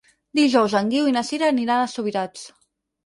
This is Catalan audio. Dijous en Guiu i na Sira aniran a Subirats.